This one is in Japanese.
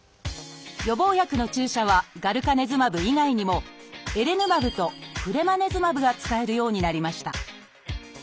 予防薬の注射はガルカネズマブ以外にもエレヌマブとフレマネズマブが使えるようになりました。